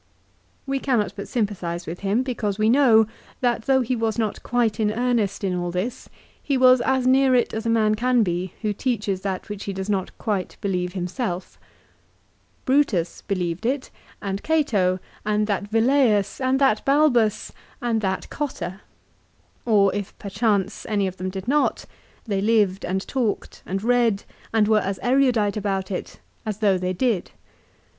We cannot but sympathise with him because we know, that though he was not quite in 1 De Divin. lib. i. ca. xlvii. J Ibid. lib. ii. ca. i. CICERO'S PHILOSOPHY. 367 earnest in all this, he was as near it as a man can be who teaches that which he does not quite believe himself. Brutus believed it, and Cato, and that Velleius, and that Balbus, and that Gotta. Or if perchance any of them did not, they lived and talked, and read, and were as erudite about it, as though they did.